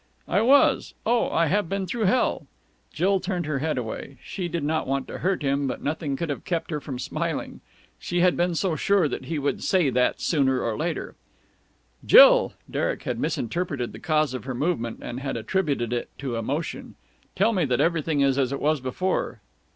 "I was. Oh, I have been through hell!" Jill turned her head away. She did not want to hurt him, but nothing could have kept her from smiling. She had been so sure that he would say that sooner or later. "Jill!" Derek had misinterpreted the cause of her movement, and had attributed it to emotion. "Tell me that everything is as it was before."